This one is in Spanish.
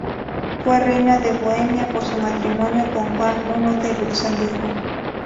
Fue reina de Bohemia por su matrimonio con Juan I de Luxemburgo.